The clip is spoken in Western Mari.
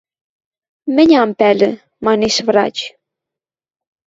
— Мӹнь ам пӓлӹ, — манеш врач.